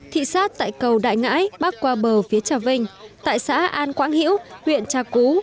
thị xác tại cầu đại ngãi bắc qua bờ phía trà vinh tại xã an quang hiễu huyện trà cú